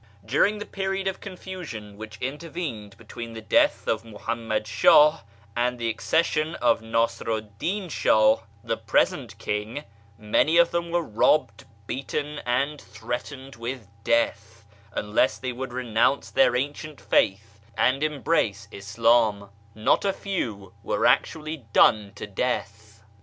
During the period of confusion which intervened between the death of Muhammad Shah and the accession of Nasiru 'd Din Shah, the present king, many of them were robbed, beaten, and threatened with death, unless they would renounce their YEZD 371 ancient faith and embrace Islam ; not a few were actually done to death.